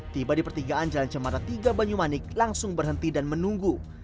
tiba di pertigaan jalan cemara tiga banyumanik langsung berhenti dan menunggu